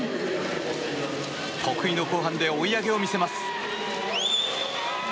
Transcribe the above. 得意の後半で追い上げを見せます。